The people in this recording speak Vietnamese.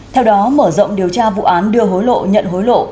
theo đó mở rộng điều tra vụ án đưa hối lộ nhận hối lộ